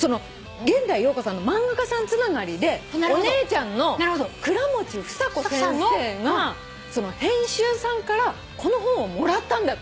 現代洋子さんの漫画家さんつながりでお姉ちゃんのくらもちふさこ先生が編集さんからこの本をもらったんだって。